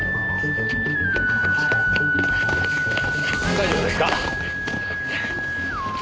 大丈夫ですか？